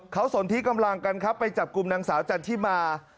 เขาสนที่กำลังกันครับไปจับกลุ่มนางสาวจันทิมา